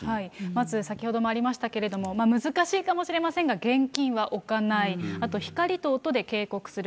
まず先ほどもありましたけど、難しいかもしれませんが、現金は置かない、あと光と音で警告する。